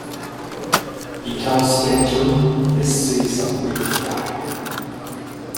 He tells Stachel, Let's see some real flying.